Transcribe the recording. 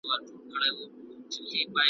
نوې ورځ نوی هیواد سي نوي نوي پلټنونه .